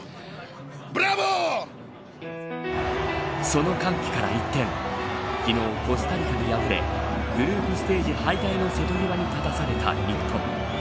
その歓喜から一転昨日、コスタリカに敗れグループステージ敗退の瀬戸際に立たされた日本。